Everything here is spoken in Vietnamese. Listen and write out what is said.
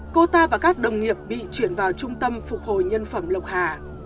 cô ta và các đồng nghiệp bị chuyển vào trung tâm phục hồi nhân phẩm lộc hà